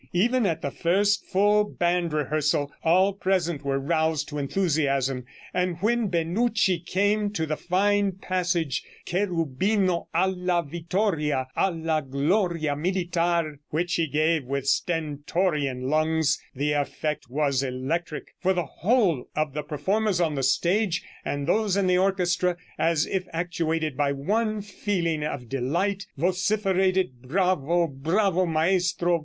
Even at the first full band rehearsal, all present were roused to enthusiasm, and when Benucci came to the fine passage 'Cherubino Alla Vittoria, Alla Gloria Militar,' which he gave with stentorian lungs, the effect was electric, for the whole of the performers on the stage, and those in the orchestra, as if actuated by one feeling of delight, vociferated '_Bravo, Bravo, Maestro.